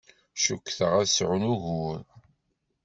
Cukkteɣ ad sɛun ugur.